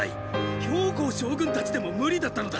公将軍たちでも無理だったのだ！